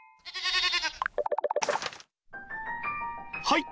はい！